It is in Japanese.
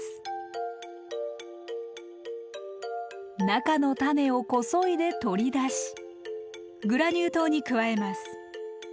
中の種をこそいで取り出しグラニュー糖に加えます。